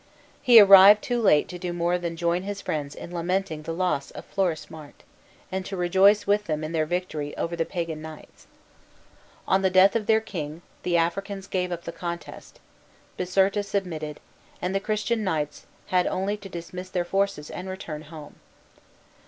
He arrived too late to do more than join his friends in lamenting the loss of Florismart, and to rejoice with them in their victory over the Pagan knights. On the death of their king the Africans gave up the contest, Biserta submitted, and the Christian knights had only to dismiss their forces, and return home.